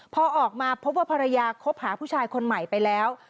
พอออกมาพบว่าภรรยาคบหาผู้ชายคนใหม่ไปแล้ว